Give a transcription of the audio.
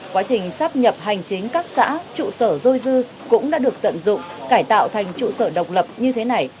quá trình sắp nhập hành chính các xã trụ sở dôi dư cũng đã được tận dụng cải tạo thành trụ sở độc lập như thế này